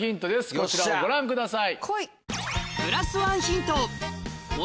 こちらをご覧ください。